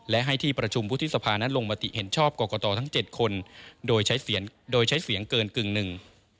และให้ที่ประชุมวุฒิสภานั้นลงมติเห็นชอบกรกตทั้ง๗คนโดยใช้เสียงโดยใช้เสียงเกินกึ่งหนึ่ง